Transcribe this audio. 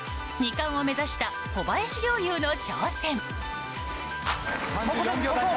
２冠を目指した小林陵侑の挑戦。